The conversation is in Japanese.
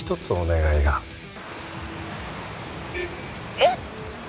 えっ？